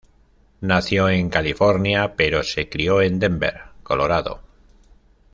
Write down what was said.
Nació en California pero se crio en Denver, Colorado.